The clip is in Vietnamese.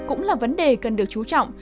cũng là vấn đề cần được chú trọng